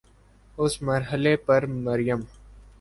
اس مرحلے پر مریم